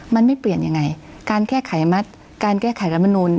มันไม่เปลี่ยนยังไงการแก้ไขมัติการแก้ไขรัฐมนูล